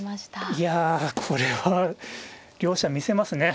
いやこれは両者見せますね。